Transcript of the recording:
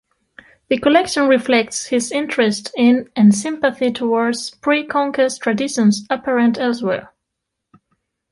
The collection reflects his interest in and sympathy towards pre-Conquest traditions apparent elsewhere.